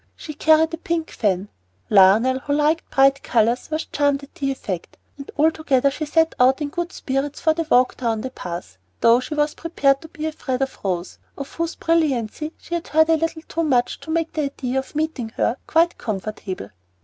She carried a pink fan. Lionel, who liked bright colors, was charmed at the effect; and altogether she set out in good spirits for the walk down the Pass, though she was prepared to be afraid of Rose, of whose brilliancy she had heard a little too much to make the idea of meeting her quite comfortable.